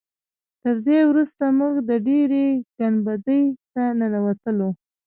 تر دې وروسته موږ د ډبرې ګنبدې ته ننوتلو.